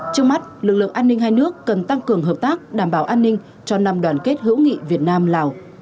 trước mắt lực lượng an ninh hai nước cần tăng cường hợp tác đảm bảo an ninh cho năm đoàn kết hữu nghị việt nam lào